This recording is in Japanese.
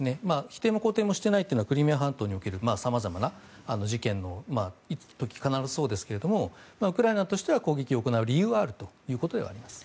否定も肯定もしていないということはクリミア半島におけるさまざまな事件のときは必ずそうですがウクライナとしては攻撃を行う理由はあるということです。